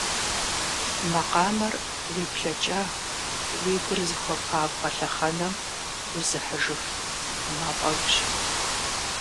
Макъамэр уи блэкӏа, уи гур зыхуэпабгъэ лъэхъэнэм узыхьыжыф мафӏэгущ.